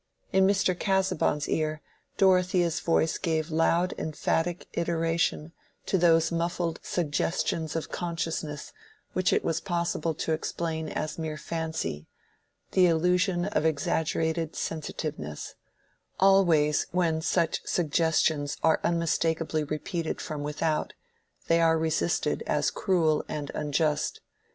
In Mr. Casaubon's ear, Dorothea's voice gave loud emphatic iteration to those muffled suggestions of consciousness which it was possible to explain as mere fancy, the illusion of exaggerated sensitiveness: always when such suggestions are unmistakably repeated from without, they are resisted as cruel and unjust.